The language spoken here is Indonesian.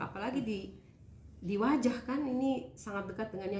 apalagi di wajah kan ini sangat dekat dengannya